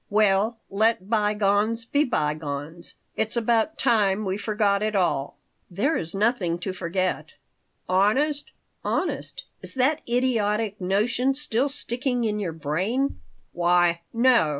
"Well, let bygones by bygones. It's about time we forgot it all." "There is nothing to forget." "Honest?" "Honest! Is that idiotic notion still sticking in your brain?" "Why, no.